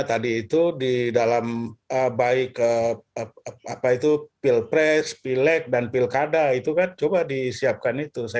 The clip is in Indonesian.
tadi itu di dalam baik apa itu pils press file dan pilkada itu kan coba di siapkan itu saya